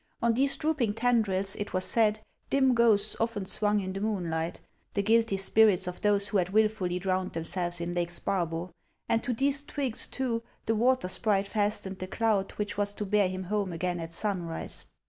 On these drooping tendrils, it was said, dim ghosts often swung in the moon light,— the guilty spirits of those who had wilfully drowned themselves in Lake Sparbo ; and to these twigs, too, the water sprite fastened the cloud which was to bear him home again at sunrise.